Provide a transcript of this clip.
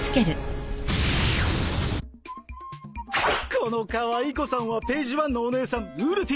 ［このかわい子さんはページワンのお姉さんうるティ］